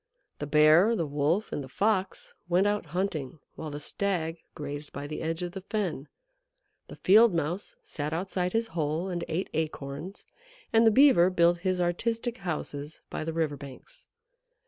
The Bear, the Wolf, and the Fox went out hunting, while the Stag grazed by the edge of the fen. The Field Mouse sat outside his hole and ate acorns, and the Beaver built his artistic houses by the river banks.